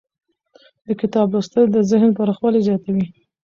د کتاب لوستل د ذهن پراخوالی زیاتوي.